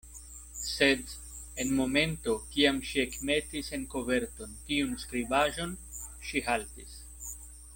Sed, en momento kiam ŝi ekmetis en koverton tiun skribaĵon, ŝi haltis.